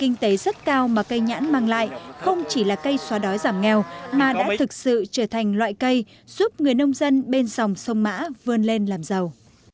kinh tế rất cao mà cây nhãn mang lại không chỉ là cây xóa đói giảm nghèo mà đã thực sự trở thành loại cây giúp người nông dân bên dòng sông mã vươn lên làm giàu